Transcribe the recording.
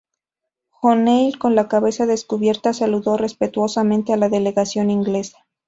O'Neill, con la cabeza descubierta, saludó respetuosamente a la delegación inglesa.